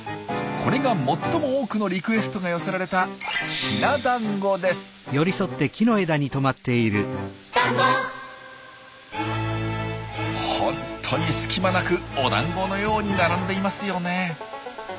これが最も多くのリクエストが寄せられたホントに隙間なくお団子のように並んでいますよね。